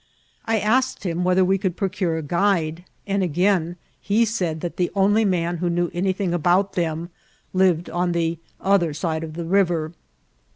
I asked him wheth er we could procure a guide, and again he said that the only man who knew anything about them lived on the other side of the river.